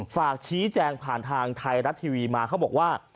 ฝากชี้แจงผ่านทางไทยรัฐทีวีมาเขาบอกว่า